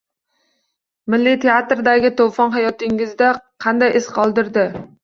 Milliy teatrdagi to‘fon hayotingizda qanday iz qoldirdi?